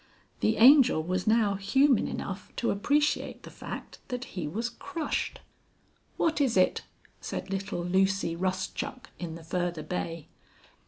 The Angel was now human enough to appreciate the fact that he was crushed. "What is it?" said little Lucy Rustchuck in the further bay.